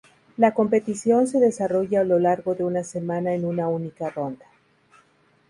La competición se desarrolla a lo largo de una semana en una única ronda.